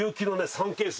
３ケース。